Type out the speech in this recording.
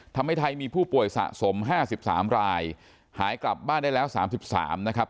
ทำให้ไทยมีผู้ป่วยสะสม๕๓รายหายกลับบ้านได้แล้ว๓๓นะครับ